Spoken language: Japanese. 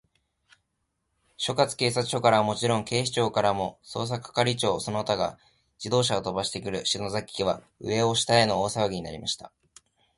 所轄警察署からはもちろん、警視庁からも、捜査係長その他が自動車をとばしてくる、篠崎家は、上を下への大さわぎになりました。